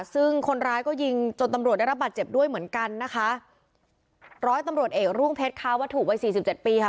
ซึ่งคนร้ายก็ยิงจนตำรวจได้รับบาดเจ็บด้วยเหมือนกันนะคะร้อยตำรวจเอกรุ่งเพชรค้าวัตถุวัยสี่สิบเจ็ดปีค่ะ